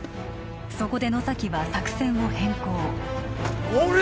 そこで野崎は作戦を変更乗れ！